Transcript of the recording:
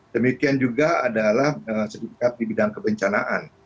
demikian juga adalah sertifikat di bidang kebencanaan